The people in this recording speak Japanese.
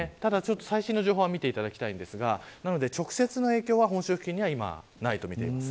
最新の情報は見ていただきたいですが直接的な影響は本州付近にはないと見ています。